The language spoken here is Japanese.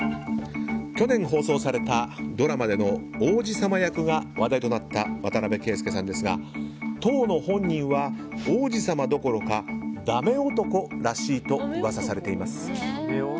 去年放送されたドラマでの王子様役が話題となった渡邊圭祐さんですが当の本人は王子様どころかだめ男らしいと噂されています。